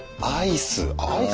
アイス。